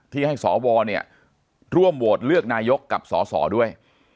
ที่ให้สวเนี่ยร่วมโหวตเลือกนายกกับสสด้วย